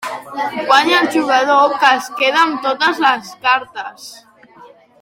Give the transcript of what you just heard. Guanya el jugador que es queda amb totes les cartes.